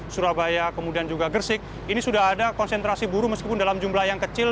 surabaya kemudian juga gersik ini sudah ada konsentrasi buruh meskipun dalam jumlah yang kecil